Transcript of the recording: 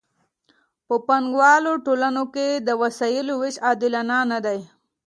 په پانګوالو ټولنو کې د وسایلو ویش عادلانه نه دی.